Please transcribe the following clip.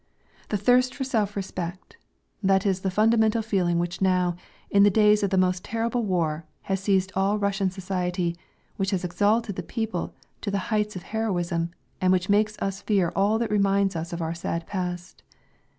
The thirst for self respect that is the fundamental feeling which now, in the days of the most terrible war, has seized all Russian society, which has exalted the people to the heights of heroism, and which makes us fear all that reminds us of our sad past.